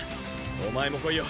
お前も来いよ。